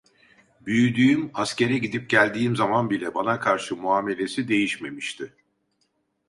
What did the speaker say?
Büyüdüğüm, askere gidip geldiğim zaman bile bana karşı muamelesi değişmemişti.